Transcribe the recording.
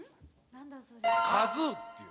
カズーっていう。